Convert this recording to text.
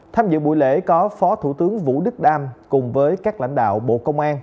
tham dự buổi lễ có phó thủ tướng vũ đức đam cùng với các lãnh đạo bộ công an